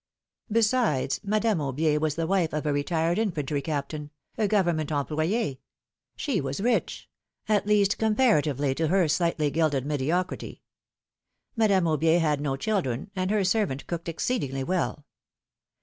Besides, Madame Aubier was the wife of a retired infantry captain, a government employ^ ; she was rich — at least comparatively so to her slightly gilded mediocrity; Madame Aubier had no children, and her servant cooked exceedingly well.